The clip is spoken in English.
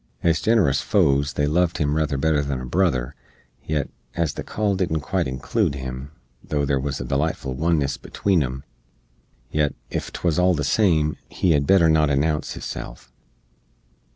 Ez ginerous foes they loved him ruther better than a brother; yet, as the call didn't quite inclood him, tho' there wuz a delightful oneness between em, yet, ef 'twuz all the same, he hed better not announce hisself.